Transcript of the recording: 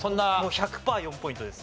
１００パー４ポイントです。